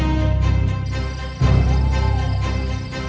tidak ada yang bisa diberi makanan